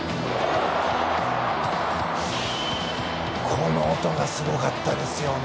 この音が、すごかったですね。